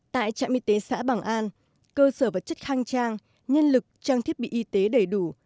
tại trạm y tế xã bảo an cơ sở vật chất khang trang nhân lực trang thiết bị y tế đầy đủ